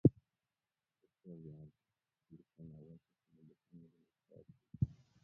Epua viazi lishe na uweke kwenye beseni ili mafuta yashuke